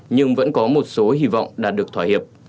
nhưng vẫn có một số hy vọng đạt được thỏa hiệp